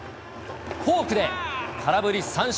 フォークで空振り三振。